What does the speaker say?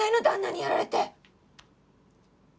旦那にやられて。